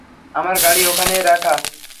আমার গাড়ি ওখানেই রাখা।